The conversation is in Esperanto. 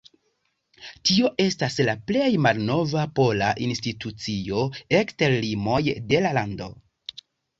Tio estas la plej malnova pola institucio ekster limoj de la lando.